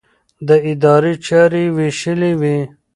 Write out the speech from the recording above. د ادارې چارې يې وېشلې وې.